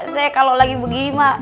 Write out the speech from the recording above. saya kalau lagi begini